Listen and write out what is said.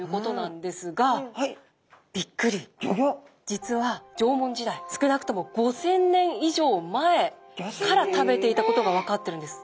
実は縄文時代少なくとも５，０００年以上前から食べていたことが分かってるんです。